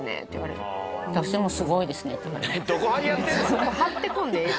そこ張ってこんでええ。